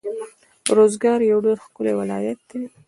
روزګان يو ډير ښکلی ولايت دی